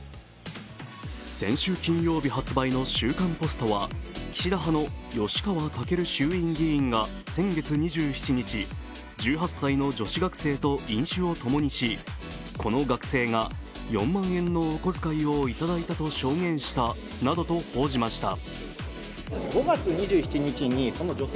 先週金曜日発売の「週刊ポスト」は岸田派の吉川赳衆院議員が先月２７日、１８歳の女子学生と飲酒をともにし、この学生が４万円のお小遣いをいただいたと証言したなどと報じました。